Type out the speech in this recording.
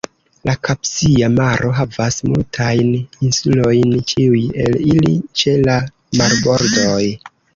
La Kaspia Maro havas multajn insulojn, ĉiuj el ili ĉe la marbordoj.